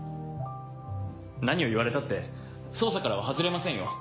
何を言われたって捜査からは外れませんよ。